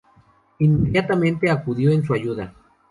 Inmediatamente, acudió en su ayuda.